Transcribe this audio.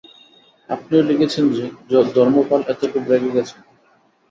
আপনিও লিখেছেন যে, ধর্মপাল এতে খুব রেগে গেছেন।